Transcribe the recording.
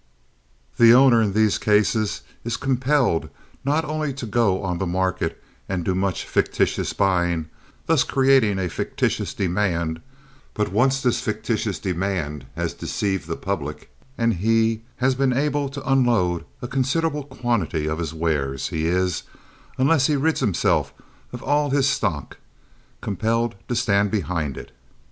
The owner in these cases is compelled not only to go on the market and do much fictitious buying, thus creating a fictitious demand, but once this fictitious demand has deceived the public and he has been able to unload a considerable quantity of his wares, he is, unless he rids himself of all his stock, compelled to stand behind it.